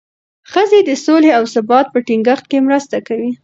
ښځې د سولې او ثبات په ټینګښت کې مرسته کوي.